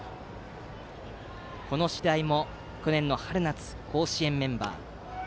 この白井も去年の春夏の甲子園メンバー。